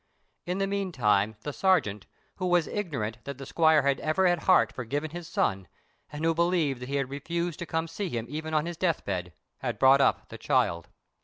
In the meantime the sergeant, who was ignorant that the squire had ever at heart forgiven his son, and who believed that he had refused to come to see him even on his death bed, had brought up the child.